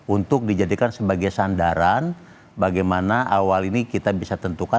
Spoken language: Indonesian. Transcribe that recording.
untuk dijadikan sebagai sandaran bagaimana awal ini kita bisa tentukan